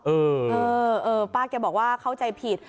เออป้าแกบอกว่าเข้าใจผิด